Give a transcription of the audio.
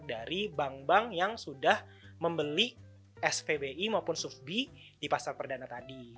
dari bank bank yang sudah membeli spbi maupun sufbi di pasar perdana tadi